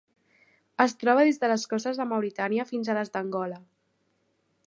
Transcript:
Es troba des de les costes de Mauritània fins a les d'Angola.